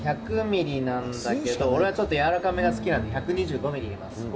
１００ミリなんだけど、俺はちょっと柔らかめが好きなんで、１２５ミリ入れます。